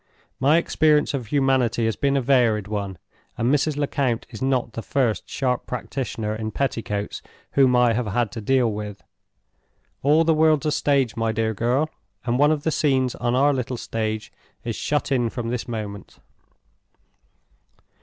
My experience of humanity has been a varied one, and Mrs. Lecount is not the first sharp practitioner in petticoats whom I have had to deal with. All the world's a stage, my dear girl, and one of the scenes on our little stage is shut in from this moment."